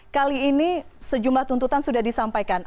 kali ini sejumlah tuntutan sudah disampaikan